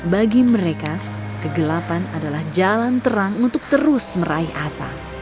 bagi mereka kegelapan adalah jalan terang untuk terus meraih asa